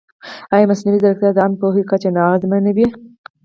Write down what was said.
ایا مصنوعي ځیرکتیا د عامه پوهاوي کچه نه اغېزمنوي؟